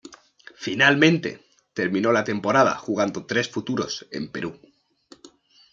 Finalmente, terminó la temporada jugando tres futuros en Perú.